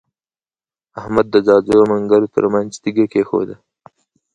احمد د ځاځيو او منلګو تر منځ تيږه کېښوده.